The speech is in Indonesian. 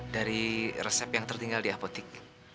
dari resep yang tertinggal di apotik